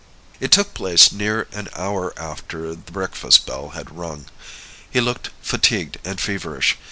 It took place near an hour after the breakfast bell had rung. He looked fatigued and feverish.